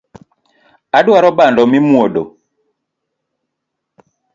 Adwaro bando mimwodo